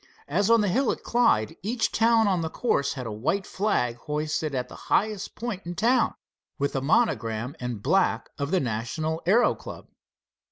As on the hill at Clyde, each town on the course had a white flag hoisted at the highest point in town, with the monogram in black of the national aero club.